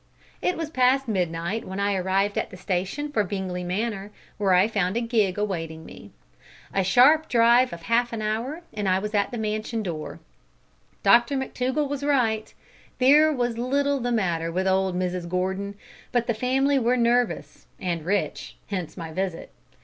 It was past midnight when I arrived at the station for Bingley Manor, where I found a gig awaiting me. A sharp drive of half an hour and I was at the mansion door. Dr McTougall was right. There was little the matter with old Mrs Gordon, but the family were nervous, and rich hence my visit.